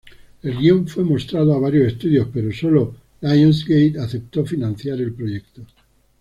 El guion fue mostrado a varios estudios, pero solo Lionsgate aceptó financiar el proyecto.